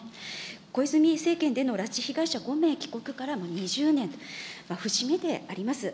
小泉政権での拉致被害者５名帰国からもう２０年、節目であります。